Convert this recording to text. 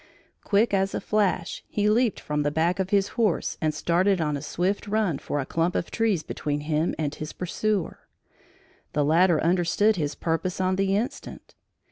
Quick as a flash, he leaped from the back of his horses and started on a swift run for a clump of trees between him and his pursuer. The latter understood his purpose on the instant.